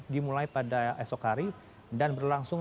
dimulai pada esok hari dan berlangsung